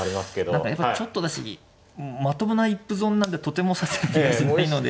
何かやっぱちょっと私まともな一歩損なんてとても指せる気がしないので。